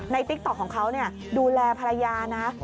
ติ๊กต๊อกของเขาดูแลภรรยานะ